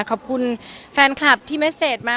ขอบคุณแฟนคลับที่เม็ดเศษมาก